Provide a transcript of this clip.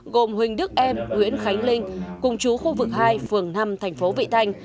gồm huỳnh đức em nguyễn khánh linh cùng chú khu vực hai phường năm thành phố vị thanh